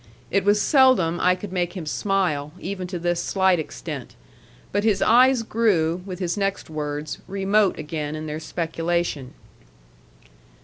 It was seldom I could make him smile, even to this slight extent. But his eyes grew, with his next words, remote again in their speculation.